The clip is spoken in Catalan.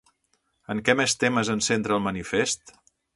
En què més temes en centra el manifest?